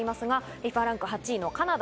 ＦＩＦＡランク８位のカナダ。